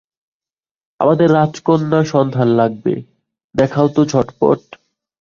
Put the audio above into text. আমাদের রাজকন্যার সন্ধান লাগবে, দেখাওতো ঝটপট?